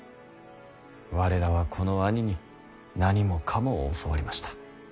我らはこの兄に何もかもを教わりました。